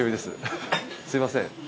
すいません。